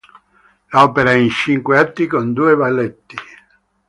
L'opera è in cinque atti con due balletti.